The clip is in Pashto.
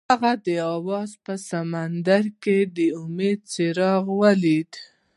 هغه د اواز په سمندر کې د امید څراغ ولید.